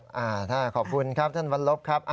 อ่าถ้าขอบคุณครับท่านวันลบครับ